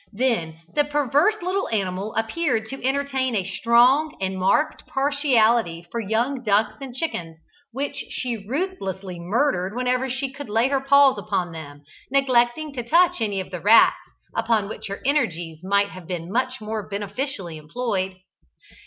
Then the perverse little animal appeared to entertain a strong and marked partiality for young ducks and chickens, which she ruthlessly murdered whenever she could lay her paws upon them, neglecting to touch any of the rats upon which her energies might have been much more beneficially employed.